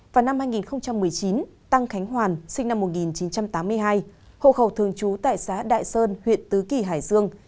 vào năm hai nghìn một mươi chín tăng khánh hoàn sinh năm một nghìn chín trăm tám mươi hai hộ khẩu thường trú tại xã đại sơn huyện tứ kỳ hải dương